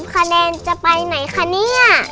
คะแนนจะไปไหนคะเนี่ย